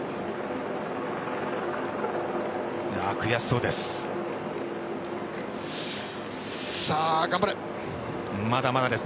悔しそうです。